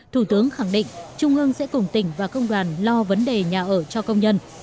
thủ tướng khẳng định trung ương sẽ cùng tỉnh và công đoàn lo vấn đề nhà ở cho công nhân